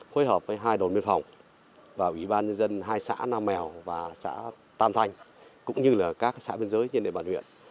phối hợp với hai đồn biên phòng và ủy ban nhân dân hai xã nam mèo và xã tam thanh cũng như là các xã biên giới trên địa bàn huyện